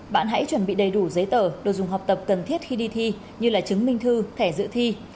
bạn hãy chuẩn bị đầy đủ giấy tờ đồ dùng học tập cần thiết khi đi thi như là chứng minh thư thẻ dự thi